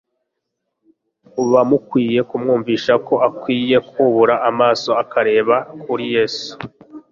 muba mukwiye kumwumvisha ko akwiriye kubura amaso akareba kuri Yesu.